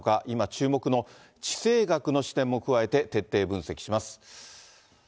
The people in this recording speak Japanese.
今、注目の地政学の視点も加えて徹底分析します。